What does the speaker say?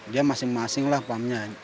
dia masing masing lah pumpnya